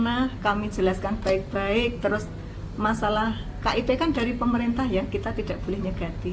nah kami jelaskan baik baik terus masalah kip kan dari pemerintah ya kita tidak boleh nyegati